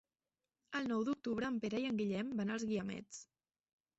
El nou d'octubre en Pere i en Guillem van als Guiamets.